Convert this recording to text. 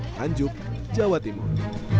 nganjuk jawa timur